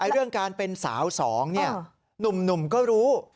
เรื่องการเป็นสาวสองหนุ่มก็รู้